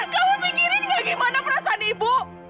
kamu pikirin gak gimana perasaan ibu